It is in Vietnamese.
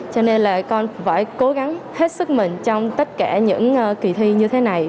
cho nên là con phải cố gắng hết sức mình trong tất cả những kỳ thi như thế này